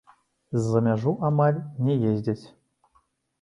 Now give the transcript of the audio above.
За мяжу амаль не ездзяць.